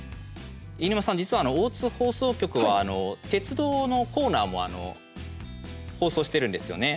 飯沼さん、実は大津放送局は鉄道のコーナーも放送してるんですよね。